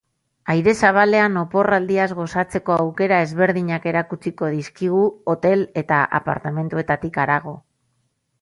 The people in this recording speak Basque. Aire zabalean oporraldiaz gozatzeko aukera ezberdinak erakutsiko dizkigu, hotel eta apartamentuetatik harago.